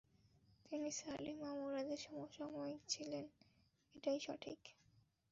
তিনি সালিমা মুরাদের সমসাময়িক ছিলেন এটাই সঠিক মত।